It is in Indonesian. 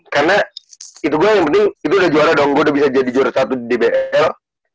karena itu gua yang penting itu udah juara dong gua udah bisa jadi juara satu di dbl